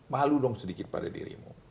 malu dong sedikit pada dirimu